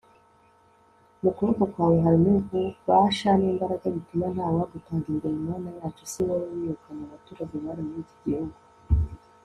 Mu kuboko kwawe harimo ububasha nimbaraga bituma ntawagutanga imbere Mana yacu si wowe wirukanye abaturage bari muri iki gihugu